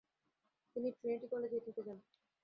তিনি ট্রিনিটি কলেজেই থেকে যান।